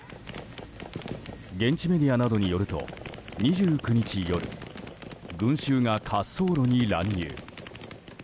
現地メディアなどによると２９日夜群衆が滑走路に乱入。